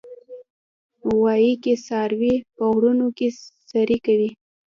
غویی کې څاروي په غرونو کې څرې کوي.